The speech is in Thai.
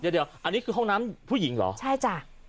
เดี๋ยวอันนี้คือห้องน้ำผู้หญิงเหรอใช่จ้ะ